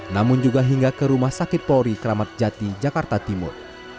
namun juga hingga ke rumah sakit polri kramat jati jakarta timur